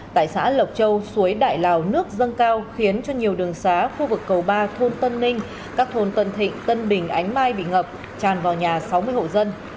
tại xã lộc châu suối đại lào nước dâng cao khiến cho nhiều đường xá khu vực cầu ba thôn tân ninh các thôn tân thịnh tân bình ánh mai bị ngập tràn vào nhà sáu mươi hộ dân